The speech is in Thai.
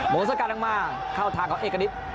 โมงสะกัดออกมาเข้าทางของเอะกะนิด